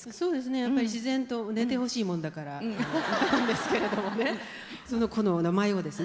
やっぱり自然と寝てほしいもんだから歌うんですけれどもねその子の名前をですね